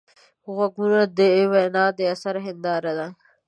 غوږونه د وینا د اثر هنداره ده